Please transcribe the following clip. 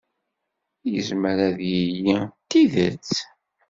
Yezmer ad yili d tidet?